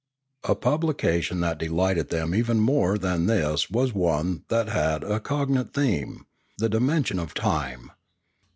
A publication that delighted them even more than this was one that had a cognate theme, the dimension of time.